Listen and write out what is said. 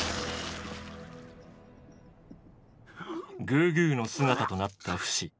グーグーの姿となったフシ。